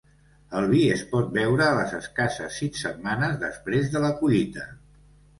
El vi es pot beure a les escasses sis setmanes després de la collita.